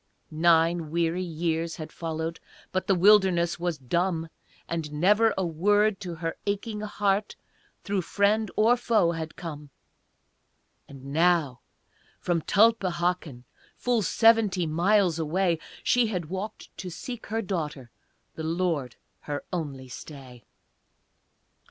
Nine weary years had followed, But the wilderness was dumb, And never a word to her aching heart Through friend or foe had come, And now, from Tulpehocken, Full seventy miles away, She had walked to seek her daughter, The Lord her only stay.